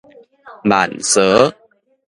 慢趖